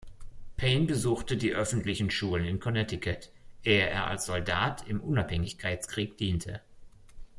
Paine besuchte die öffentlichen Schulen in Connecticut, ehe er als Soldat im Unabhängigkeitskrieg diente.